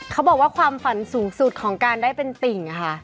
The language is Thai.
เขาบอกว่าความฝันสูงสุดของการได้เป็นติ่งค่ะ